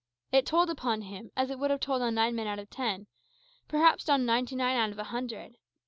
It told upon him as it would have told on nine men out of ten, perhaps on ninety nine out of a hundred.